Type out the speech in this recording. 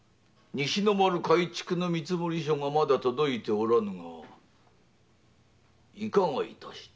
西の丸改築の見積もり書がまだ届いてないがいかがいたした？